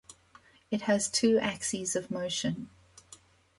It has two axes of motion.